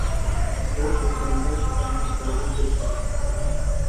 ڕۆژێکیان باش ئامۆژگاریی کردم